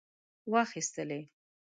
واخیستلې.